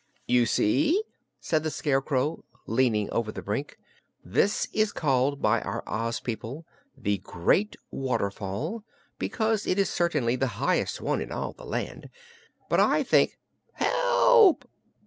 "You see," said the Scarecrow, leaning over the brink, "this is called by our Oz people the Great Waterfall, because it is certainly the highest one in all the land; but I think Help!"